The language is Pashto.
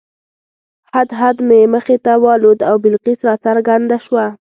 هدهد مې مخې ته والوت او بلقیس راڅرګنده شوه.